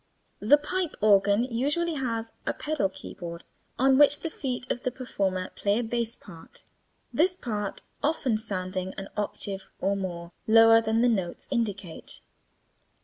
The pipe organ usually has a pedal keyboard on which the feet of the performer play a bass part, this part often sounding an octave (or more) lower than the notes indicate.